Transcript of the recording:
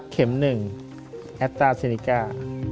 เข็มหนึ่งแอตราซีนิการ์